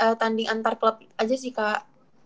ya tanding antar klub aja sih kak